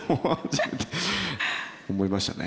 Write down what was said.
思いましたね。